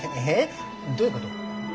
えどういうこと？